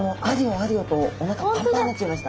あれよとおなかがパンパンになっちゃいました。